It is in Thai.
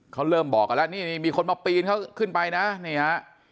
เขาเริ่มบอกกันแล้วนี่มีคนมาปีนเขาขึ้นไปนะนี่ฮะ